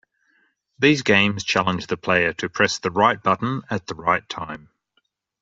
These games challenge the player to press the right button at the right time.